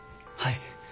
はい。